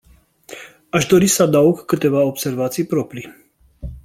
Aș dori să adaug câteva observații proprii.